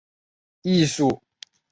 艺术上力倡革新